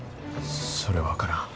それは分からん。